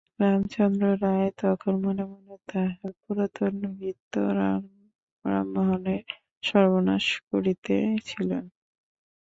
রামচন্দ্র রায় তখন মনে মনে তাঁহার পুরাতন ভৃত্য রামমোহনের সর্বনাশ করিতে ছিলেন।